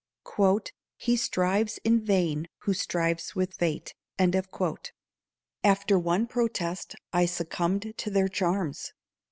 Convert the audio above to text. "He strives in vain who strives with fate." After one protest I succumbed to their charms.